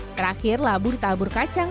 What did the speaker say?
terakhir labu ditabur kacang